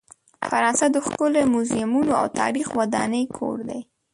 فرانسه د ښکلې میوزیمونو او تاریخي ودانۍ کور دی.